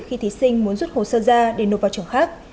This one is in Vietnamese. khi thí sinh muốn rút hồ sơ ra để nộp vào trường khác